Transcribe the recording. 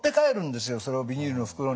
それをビニールの袋に入れて。